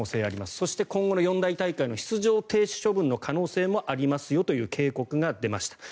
そして、今後の四大大会の出場停止処分の可能性もありますよという警告が出ました。